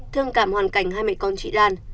thương cảm hoàn cảnh hai mẹ con chị lan